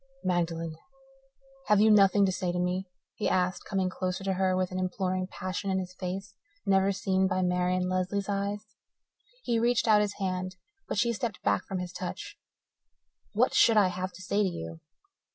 "Magdalen, have you nothing to say to me?" he asked, coming closer to her with an imploring passion in his face never seen by Marian Lesley's eyes. He reached out his hand, but she stepped back from his touch. "What should I have to say to you?"